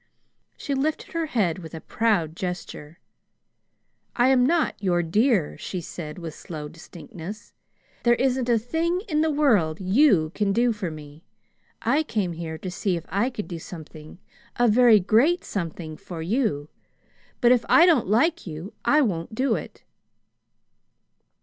She lifted her head with a proud gesture. "I am not your 'dear,'" she said with slow distinctness. "There isn't a thing in the world you can do for me. I came here to see if I could do something a very great something for you; but if I don't like you, I won't do it!"